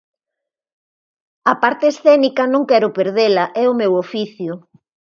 A parte escénica non quero perdela, é o meu oficio.